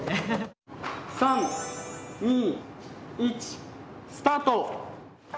３２１スタート！